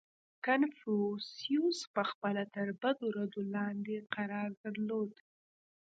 • کنفوسیوس پهخپله تر بدو ردو لاندې قرار درلود.